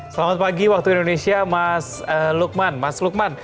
selamat pagi waktu indonesia mas lukman